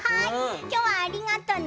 今日はありがとうね。